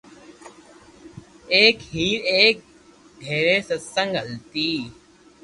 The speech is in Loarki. ايڪ ھير ايڪ گھري ستسينگ ھالتي